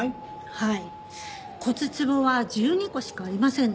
はい。